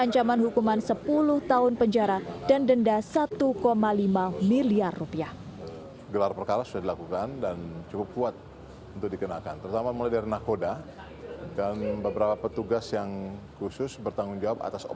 setelah saya docheng ini saya pecahkan aja ke familiesa nanya kaca